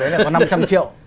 đấy là có năm trăm linh triệu